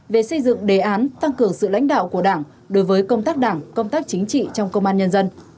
về xây dựng đề án tăng cường sự lãnh đạo của đảng đối với công tác đảng công tác chính trị trong công an nhân dân